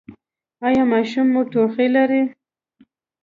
ایا ماشوم مو ټوخی لري؟